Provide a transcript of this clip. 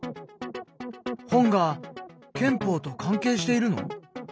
本が憲法と関係しているの？